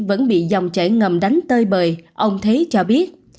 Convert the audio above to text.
vẫn bị dòng chảy ngầm đánh tơi bời ông thế cho biết